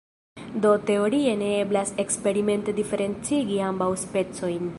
Do teorie ne eblas eksperimente diferencigi ambaŭ specojn.